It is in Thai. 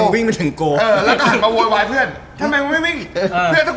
เทรนด์ทั้งคู่วิ่งกับอ่าน